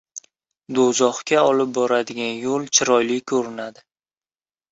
• Do‘zaxga olib boradigan yo‘l chiroyli ko‘rinadi.